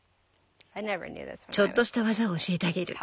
ちょっとした技を教えてあげる。